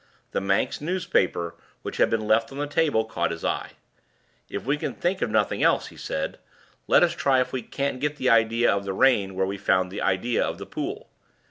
The Manx newspaper which had been left on the table caught his eye. "If we can think of nothing else," he said, "let us try if we can't find the idea of the rain where we found the idea of the pool."